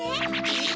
えっ！